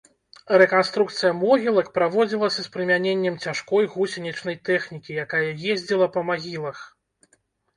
Рэканструкцыя могілак праводзілася з прымяненнем цяжкой гусенічнай тэхнікі, якая ездзіла па магілах.